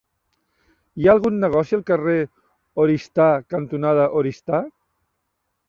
Hi ha algun negoci al carrer Oristà cantonada Oristà?